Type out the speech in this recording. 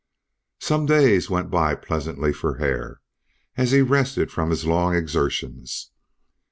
Some days went by pleasantly for Hare, as he rested from his long exertions.